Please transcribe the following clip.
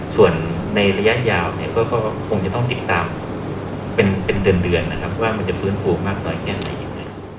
ส่วนในระยะยาวเนี่ยก็คงจะต้องติดตามเป็นเดือนนะครับว่ามันจะฟื้นฟูมากน้อยแค่ไหนอย่างไร